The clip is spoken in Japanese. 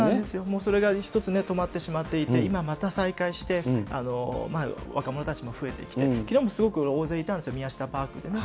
それが一つね、止まってしまっていて、今また再開して、若者たちも増えてきて、きのうもすごく大勢いたんですよね、宮下パークでね。